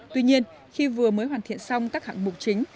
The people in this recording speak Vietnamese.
tuy nhiên khi vừa mới hoàn thiện xong các hạng mục chính